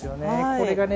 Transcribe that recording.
これがね